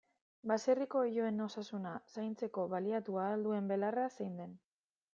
Baserriko oiloen osasuna zaintzeko baliatu ahal duen belarra zein den.